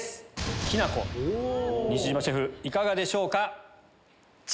西島シェフいかがでしょうか？